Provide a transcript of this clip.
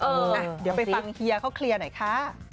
เดี๋ยวไปฟังเฮียเขาเคลียร์หน่อยค่ะ